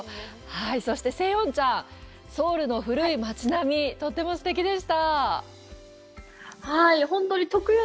そして、セヨンちゃん、ソウルの古い街並み、とてもすてきでした。